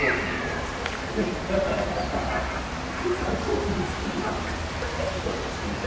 持ってますんで。